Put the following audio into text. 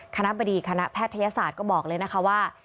คณะบดีคณะแพทยศาสตร์ก็บอกเลยนะคะว่า